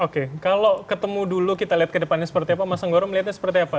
oke kalau ketemu dulu kita lihat ke depannya seperti apa mas anggoro melihatnya seperti apa